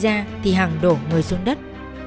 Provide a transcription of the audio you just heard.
giang thả tay ra thì hằng đổ ngồi xuống đất